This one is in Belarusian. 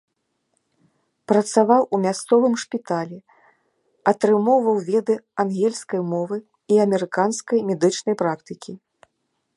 Працаваў у мясцовым шпіталі, атрымоўваў веды ангельскай мовы і амерыканскай медычнай практыкі.